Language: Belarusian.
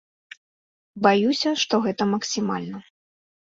Баюся, што гэта максімальна.